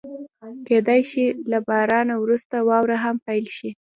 کېدای شي له بارانه وروسته واوره هم پيل شي.